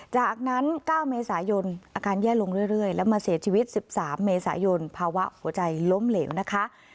จากนั้น๙เมษายนอาการแย่ลงเรื่อยแล้วมาเสียชีวิต๑๓เมษายนภาวะหัวใจล้มเหลวนะคะ